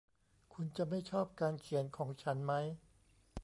คุณจะไม่ชอบการเขียนของฉันมั้ย